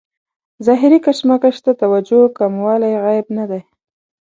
ظاهري کشمکش ته توجه کموالی عیب نه دی.